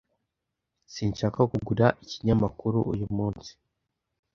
Sinshaka kugura ikinyamakuru uyu munsi.